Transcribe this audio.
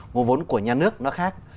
nguồn vốn của nhà nước nó khác